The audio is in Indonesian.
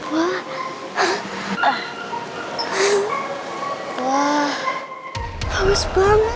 wah hangus banget